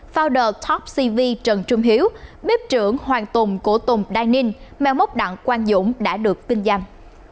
founder topcv trần trung hiếu bếp trưởng hoàng tùng cổ tùng đai ninh mèo mốc đặng quang dũng đã được kinh dành